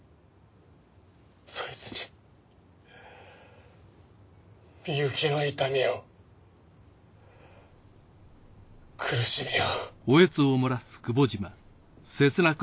そいつに深雪の痛みを苦しみを。